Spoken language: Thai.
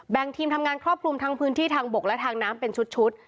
ทีมทำงานครอบคลุมทั้งพื้นที่ทางบกและทางน้ำเป็นชุด